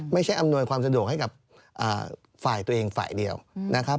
อำนวยความสะดวกให้กับฝ่ายตัวเองฝ่ายเดียวนะครับ